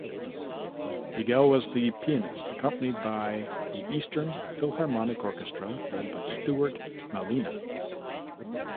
Biegel was the pianist, accompanied by the Eastern Philharmonic Orchestra led by Stuart Malina.